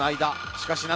しかし７